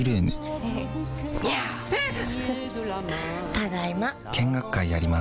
ただいま。